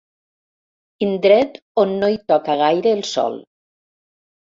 Indret on no hi toca gaire el sol.